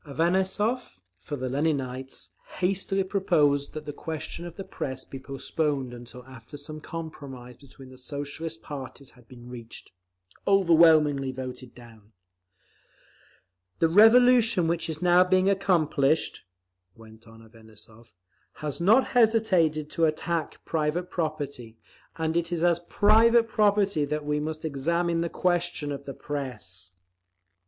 Avanessov, for the Leninites, hastily proposed that the question of the Press be postponed until after some compromise between the Socialist parties had been reached. Overwhelmingly voted down. "The revolution which is now being accomplished," went on Avanessov, "has not hesitated to attack private property; and it is as private property that we must examine the question of the Press…."